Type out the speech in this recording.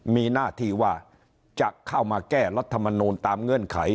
มีหน้าที่ว่าจะเข้ามาแก้รัฐมนูลตามเงื่อนไข